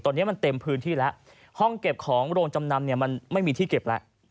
ตอนนี้มันเต็มพื้นที่แล้วห้องเก็บของโรงจำนำเนี่ยมันไม่มีที่เก็บแล้ว